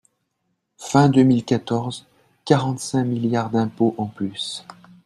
Fin deux mille quatorze, quarante-cinq milliards d’impôts en plus